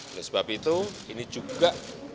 oleh sebab itu ini juga